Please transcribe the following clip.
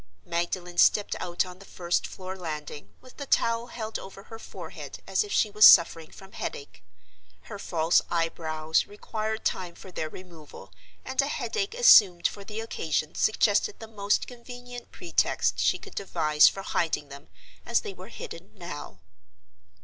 Magdalen stepped out on the first floor landing, with the towel held over her forehead as if she was suffering from headache. Her false eyebrows required time for their removal, and a headache assumed for the occasion suggested the most convenient pretext she could devise for hiding them as they were hidden now.